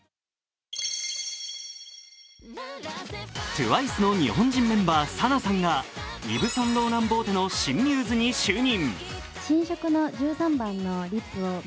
ＴＷＩＣＥの日本人メンバー、ＳＡＮＡさんがイヴ・サンローラン・ボーテの新ミューズに就任。